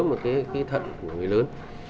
một cái thận của người lớn